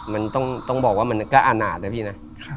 มันต้องบอกว่ามันก็อาณาจนะพี่นะ